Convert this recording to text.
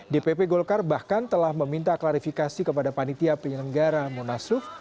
dpp golkar bahkan telah meminta klarifikasi kepada panitia penyelenggara munasluf